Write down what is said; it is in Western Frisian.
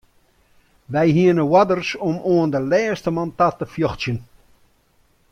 Wy hiene oarders om oan de lêste man ta te fjochtsjen.